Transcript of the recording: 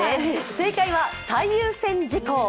正解は最優先事項。